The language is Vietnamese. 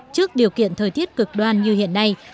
trước điều kiện thời tiết cực đoan như hiện nay